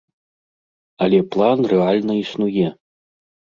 Але план рэальна існуе.